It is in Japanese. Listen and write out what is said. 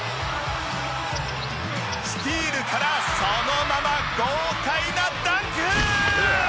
スティールからそのまま豪快なダンク！